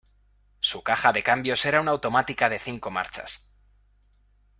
Su caja de cambios era una automática de cinco marchas.